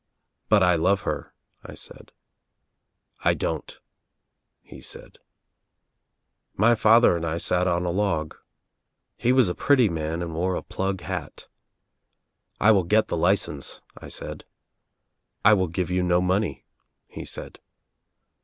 "" 'But I love her,' I said. " 'I don't,' he said. "My father and 1 sat on a log. He was a pretty man and wore a plug hat. 'I will get the license,' I said. " 'I will give you no money,' he said.